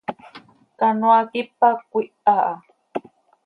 Canoaa quipac cöquiha ha.